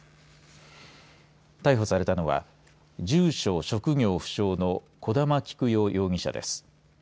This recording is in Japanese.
逮捕されたのは住所・職業不詳の小玉喜久代容疑者です。